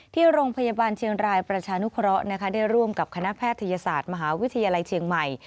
ที่โรงพยาบาลเชียงรายประชานุเคราะห์ได้ร่วมกับคณะแพทยศาสตร์มหาวิทยาลัยเชียงใหม่